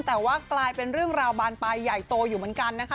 แต่ว่ากลายเป็นเรื่องราวบานปลายใหญ่โตอยู่เหมือนกันนะคะ